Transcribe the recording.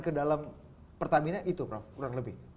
ke dalam pertamina itu prof kurang lebih